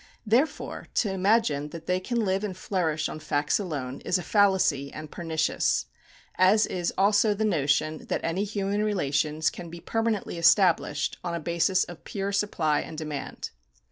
Therefore, to imagine that they can live and flourish on facts alone is a fallacy and pernicious; as is also the notion that any human relations can be permanently established on a basis of pure supply and demand.